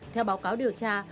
theo báo cáo điều tra